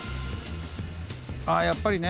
ああやっぱりね！